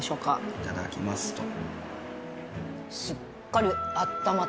いただきますと。